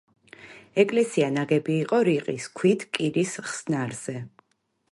ეკლესია ნაგები იყო რიყის ქვით კირის ხსნარზე.